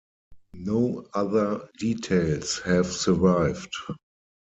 No other details have survived.